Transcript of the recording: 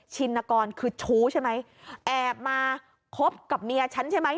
ชินกรคือชู้ใช่ไหมแอบมาคบกับเมียฉันใช่ไหม